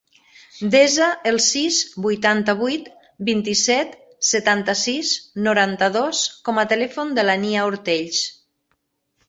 Desa el sis, vuitanta-vuit, vint-i-set, setanta-sis, noranta-dos com a telèfon de la Nia Ortells.